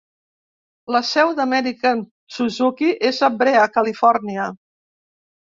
La seu d'American Suzuki és a Brea, Califòrnia.